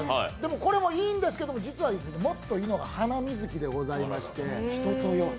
これもいいんですけど、これよりもいいのが「ハナミズキ」でございまして。